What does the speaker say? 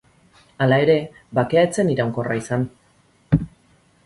Hala ere, bakea ez zen iraunkorra izan.